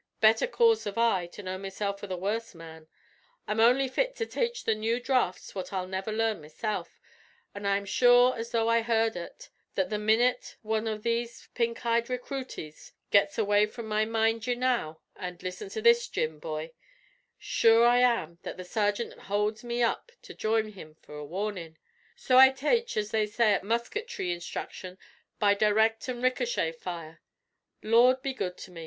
Better cause have I to know mesilf for the worst man. I'm only fit to tache the new drafts what I'll never learn myself; an' I am sure as tho' I heard ut, that the minut wan av these pink eyed recruities gets away from my 'Mind ye now,' an' 'Listen to this, Jim, bhoy,' sure I am that the sergint houlds me up to him for a warnin'. So I tache, as they say at musketry instruction, by direct an' ricochet fire. Lord be good to me!